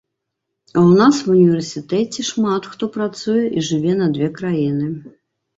У нас ва ўніверсітэце шмат хто працуе і жыве на дзве краіны.